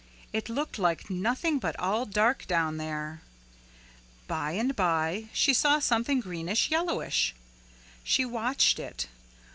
It looked like nothing but all dark down there. By and by she saw something greenish yellowish. She watched it.